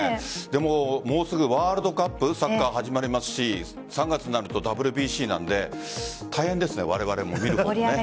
でも、もうすぐワールドカップサッカー始まりますし３月になるとＷＢＣなので大変ですね、われわれも見る方も。